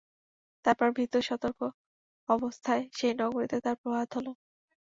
তারপর ভীত-সতর্ক অবস্থায় সেই নগরীতে তার প্রভাত হল।